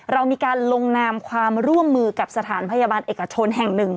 เรามีการลงนามความร่วมมือกับสถานพยาบาลเอกชนแห่งหนึ่ง